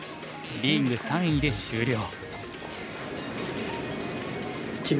リーグ３位で終了。